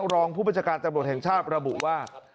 รองผู้บัญชาการตำรวจแห่งชาติระบุว่า